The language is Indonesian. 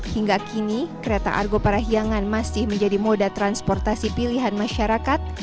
hingga kini kereta argo parahiangan masih menjadi moda transportasi pilihan masyarakat